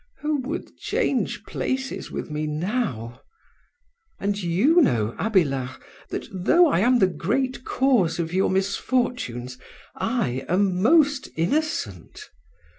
Who would change places with me now! And you know, Abelard, that though I am the great cause of your misfortunes, I am most innocent.